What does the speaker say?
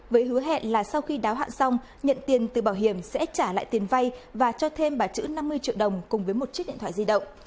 với hứa hẹn là sau khi đáo hạn xong nhận tiền từ bảo hiểm sẽ trả lại tiền vay và cho thêm bà chữ năm mươi triệu đồng cùng với một chiếc điện thoại di động